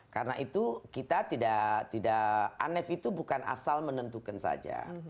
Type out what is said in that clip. karena itu kita tidak anev itu bukan asal menentukan saja